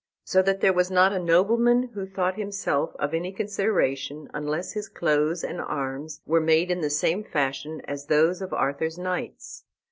So that there was not a nobleman who thought himself of any consideration unless his clothes and arms were made in the same fashion as those of Arthur's knights.